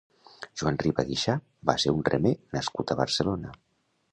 Joan Riba Guixà va ser un remer nascut a Barcelona.